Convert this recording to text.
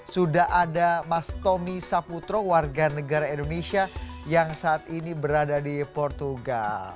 sudah ada mas tommy saputro warga negara indonesia yang saat ini berada di portugal